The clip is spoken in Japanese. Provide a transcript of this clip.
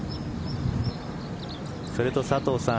それと佐藤さん